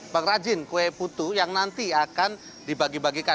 pengrajin kue putu yang nanti akan dibagi bagikan